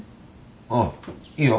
ああいいよ。